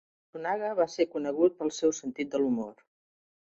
Matsunaga va ser conegut pel seu sentit de l'humor.